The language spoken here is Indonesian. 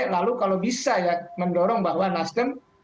lalu kalau bisa ya mendorong bahwa nasdem